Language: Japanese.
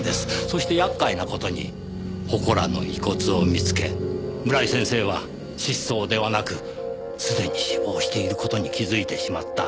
そして厄介な事に祠の遺骨を見つけ村井先生は失踪ではなくすでに死亡している事に気づいてしまった。